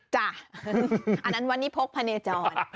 อันนั้นวันนี้พกพะเนจร